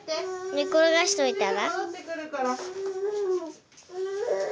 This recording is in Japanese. ・寝っころがしといたら。